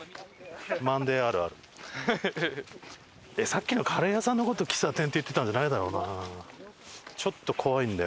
さっきのカレー屋さんの事を喫茶店って言ってたんじゃないだろうな？